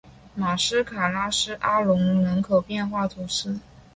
马斯卡拉斯阿龙人口变化图示